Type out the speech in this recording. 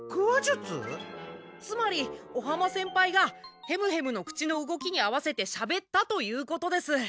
つまり尾浜先輩がヘムヘムの口の動きに合わせてしゃべったということです。